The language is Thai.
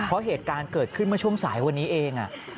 เพราะเหตุการณ์เกิดขึ้นเมื่อช่วงสายวันนี้เอง